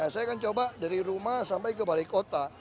saya akan coba dari rumah sampai ke balai kota